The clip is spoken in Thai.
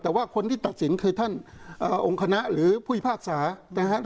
แต่ว่าคนที่ตัดสินคือท่านองค์คณะหรือผู้พิพากษานะครับ